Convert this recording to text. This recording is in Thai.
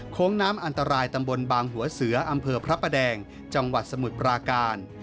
น้ำอันตรายตำบลบางหัวเสืออำเภอพระประแดงจังหวัดสมุทรปราการ